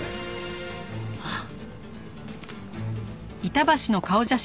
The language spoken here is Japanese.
あっ！